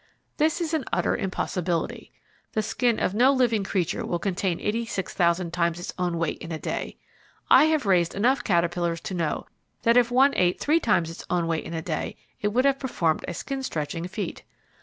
This is an utter impossibility. The skin of no living creature will contain eighty six thousand times its own weight in a day. I have raised enough caterpillars to know that if one ate three times its own weight in a day it would have performed a skin stretching feat.